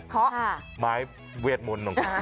เค๋ะวีดหมุนขนาดนั้นค่ะ